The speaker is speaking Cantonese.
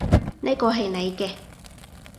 呢個係你嘅